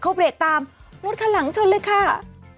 เขาเบรกตามรถคันหลังชนเลยค่ะ